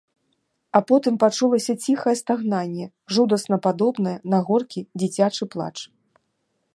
А потым пачулася ціхае стагнанне, жудасна падобнае на горкі дзіцячы плач.